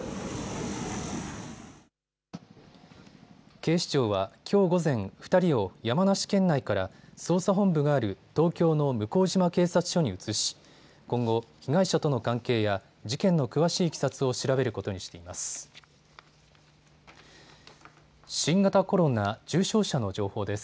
警視庁はきょう午前、２人を山梨県内から捜査本部がある東京の向島警察署に移し今後、被害者との関係や事件の詳しいいきさつを調べることにしています。